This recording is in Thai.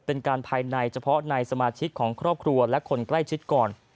เป็นการภายในเฉพาะในสมาชิกของครอบครัวและคนใกล้ชิดก่อน